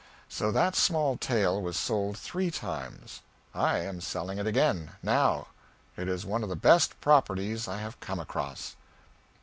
So that small tale was sold three times. I am selling it again, now. It is one of the best properties I have come across.